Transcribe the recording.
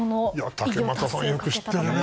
竹俣さん、よく知ってるね。